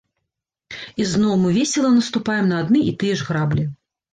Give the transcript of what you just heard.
І зноў мы весела наступаем на адны і тыя ж граблі.